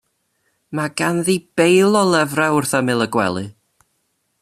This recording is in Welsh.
Mae ganddi beil o lyfra wrth ymyl y gwely.